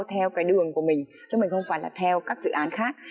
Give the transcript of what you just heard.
theo cái đường của mình chứ mình không phải là theo các dự án khác